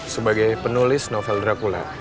sebagai penulis novel dracula